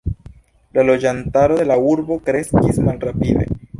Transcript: La loĝantaro de la urbo kreskis malrapide.